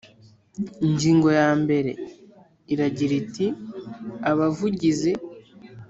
Ingingo ya mbere iragira iti: Abavugizi.